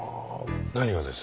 何がです？